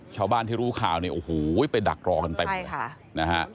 ชาวบ้านที่รู้ข่าวเนี่ยโอ้โหไปดักรอกันเต็มเลยนะฮะ